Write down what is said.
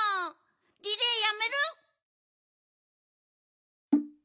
リレーやめる？